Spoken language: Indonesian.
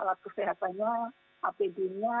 alat kesehatannya apd nya